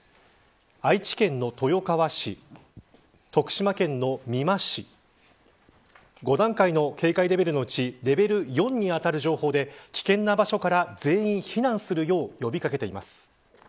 愛知県の豊川市徳島県の美馬市５段階の警戒レベルのうちレベル４に当たる情報で危険な場所から全員避難するよう呼び掛けています。